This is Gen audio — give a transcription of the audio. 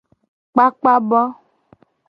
Kpakpa bo.